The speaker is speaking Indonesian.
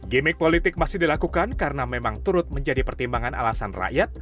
gimmick politik masih dilakukan karena memang turut menjadi pertimbangan alasan rakyat